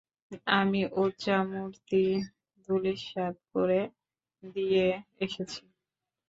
আমি উযযা মূর্তি ধুলিস্যাত করে দিয়ে এসেছি।